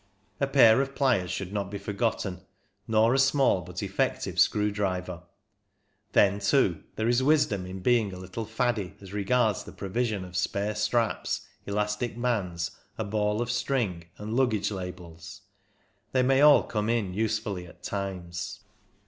A pair of pliers should not be forgotten, nor a small but effective screw driver. Then, too, there is wisdom in being a little faddy " as regards the pro vision of spare straps, elastic bands, a ball of string, and luggage labels; they may all come in usefully at times.